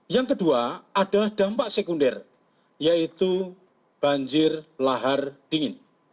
yang kedua adalah dampak sekunder yaitu banjir lahar dingin